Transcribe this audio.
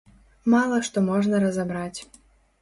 Мала што можна разабраць.